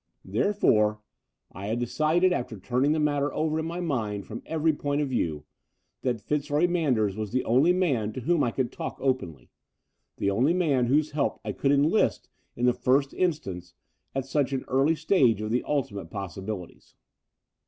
Therefore I had decided, 107 io8 The Door of the Unreal after turning the matter over in my mind from every point of view, that Fitzroy Manders was the only man to whom I could talk openly — ^the only man whose help I could enlist in the first instance at such an early stage of the ultimate possibilities.